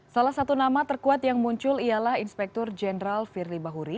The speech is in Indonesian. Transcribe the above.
salah satu nama terkuat yang muncul ialah inspektur jenderal firly bahuri